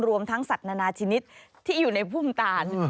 รวมทั้งสัตว์นานาชนิดที่อยู่ในพุ่มตาล